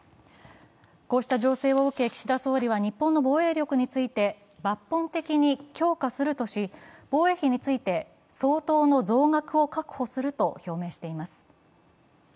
こうした情勢を受け、岸田総理は日本の防衛力について、抜本的に強化するとし、防衛費について、相当の増額を確保すると表明しています。